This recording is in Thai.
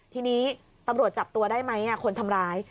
ทีนี้ตำรวจจับตัวได้ไหมคนทำร้าย